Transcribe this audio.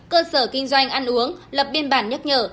cơ sở kinh doanh ăn uống lập biên bản nhắc nhở